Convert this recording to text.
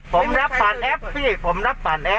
ผมรับผ่านแอปพี่ผมรับผ่านแอป